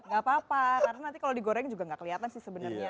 gak apa apa karena nanti kalau digoreng juga nggak kelihatan sih sebenarnya